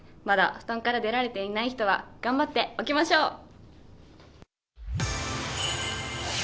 まだ布団から出られていない人は頑張って起きましょう。